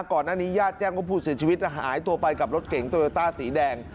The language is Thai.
ก่อนหน้านี้ญาติแจ้งว่าผู้เสียชีวิตหายตัวไปกับรถเก๋งโตโยต้าสีแดง